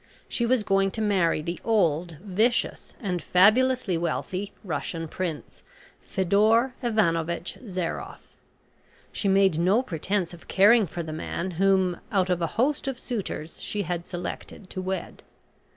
She was going to marry the old, vicious, and fabulously wealthy Russian Prince, Fedor Ivanovitch Zairoff. She made no pretence of caring for the man whom, out of a host of suitors, she had selected to wed.